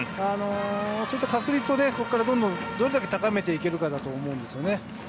そういった確率をどれだけ高めていけるかだと思うんですよね。